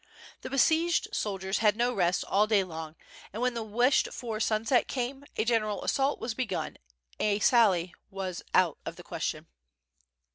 The besieged soldiers had no rest all day long, and when the wished for sunset came, a general assault was begun, a sally was out of the question.